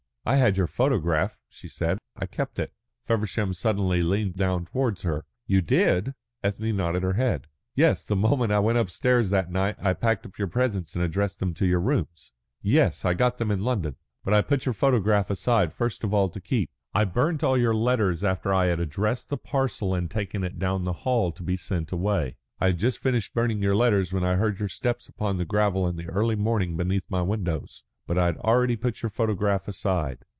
"I had your photograph," she said. "I kept it." Feversham suddenly leaned down towards her. "You did!" Ethne nodded her head. "Yes. The moment I went upstairs that night I packed up your presents and addressed them to your rooms." "Yes, I got them in London." "But I put your photograph aside first of all to keep. I burnt all your letters after I had addressed the parcel and taken it down to the hall to be sent away. I had just finished burning your letters when I heard your step upon the gravel in the early morning underneath my windows. But I had already put your photograph aside.